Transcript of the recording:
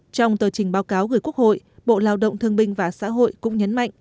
trong tờ trình báo cáo gửi quốc hội bộ lao động thương binh và xã hội cũng nhấn mạnh